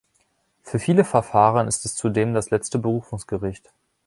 Für viele Verfahren ist es zudem das letzte Berufungsgericht.